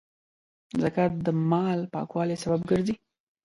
زکات د مال پاکوالي سبب ګرځي.